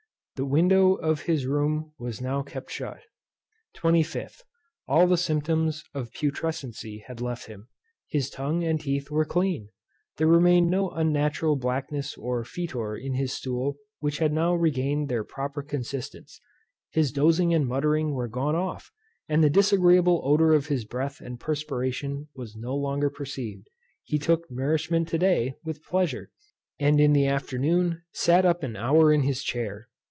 The window of his room was now kept shut. 25th, All the symptoms of putrescency had left him; his tongue and teeth were clean; there remained no unnatural blackness or foetor in his stool, which had now regained their proper consistence; his dozing and muttering were gone off; and the disagreeable odour of his breath and perspiration was no longer perceived. He took nourishment to day, with pleasure; and, in the afternoon, sat up an hour in his chair.